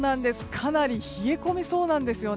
かなり冷え込みそうなんです。